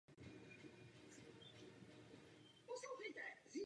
Pak ho Hospodin povolal zpět do Svaté země.